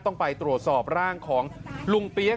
ต้องไปตรวจสอบร่างของลุงเปี๊ยก